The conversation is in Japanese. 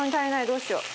どうしよう？